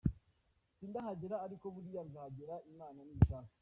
Sindahagera ariko buriya nzahagera Imana nibishaka.